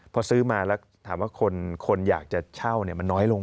พอซื้อมาแล้วถามว่าคนอยากจะเช่ามันน้อยลง